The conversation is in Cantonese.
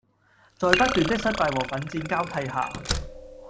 在不斷的失敗和奮戰交替下